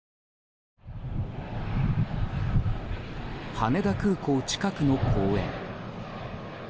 羽田空港近くの公園。